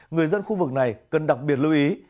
người dân khu vực này cần đặc biệt lưu ý